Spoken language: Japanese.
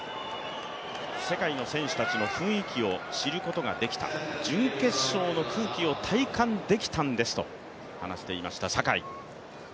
世界の選手たちの雰囲気を知ることができた、準決勝の空気を体感できたんですと話していた坂井。